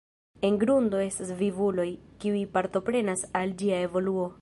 En grundo estas vivuloj, kiuj partoprenas al ĝia evoluo.